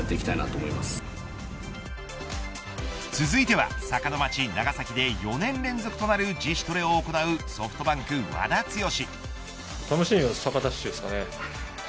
続いては坂の町、長崎で４年連続となる自主トレを行うソフトバンク、和田毅。